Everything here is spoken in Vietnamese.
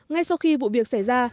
ngay sau khi vụ việc xảy ra